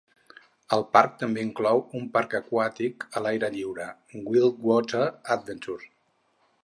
El parc també inclou un parc aquàtic a l'aire lliure, WildWater Adventure.